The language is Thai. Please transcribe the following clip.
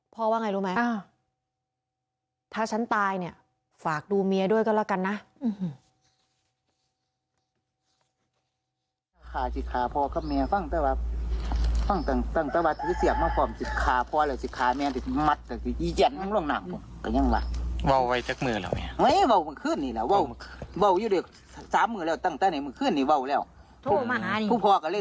พ่อว่าไงรู้ไหมอ่าถ้าฉันตายเนี่ยฝากดูเมียด้วยก็แล้วกันน่ะอื้อฮึ